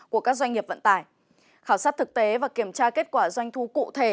của các doanh nghiệp vận tải khảo sát thực tế và kiểm tra kết quả doanh thu cụ thể